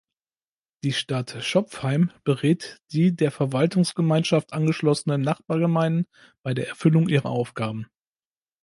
Die Stadt Schopfheim berät die der Verwaltungsgemeinschaft angeschlossenen Nachbargemeinden bei der Erfüllung ihrer Aufgaben.